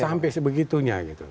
sampai sebegitunya gitu